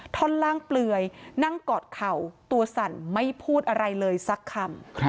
ท่อนล่างเปลือยนั่งกอดเข่าตัวสั่นไม่พูดอะไรเลยสักคำ